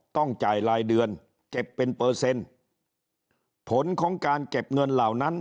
ต้องจ่ายรายเดือนเก็บเป็นเปอร์เซ็นต์ผลของการเก็บเงินเหล่านั้น